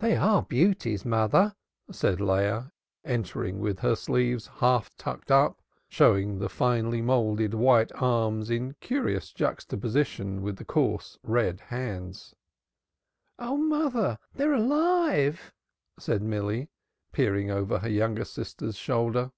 "They are beauties, mother," said Leah, entering with her sleeves half tucked up, showing the finely moulded white arms in curious juxtaposition with the coarse red hands. "O, mother, they're alive!" said Milly, peering over her younger sister's shoulder.